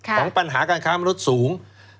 ของปัญหาการค้ามนุษย์สูง